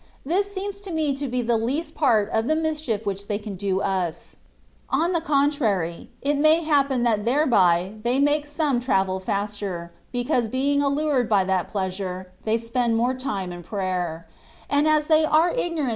This seems to me to be the least part of the mischief which they can do us : on the contrary, it may happen that thereby they make some travel faster, because being allured by that pleasure, they spend more time in prayer : and as they are ignorant 192 THE WAY OF PERFECTION.